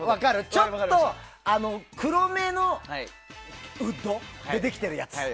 ちょっと黒めのウッドでできてるやつ。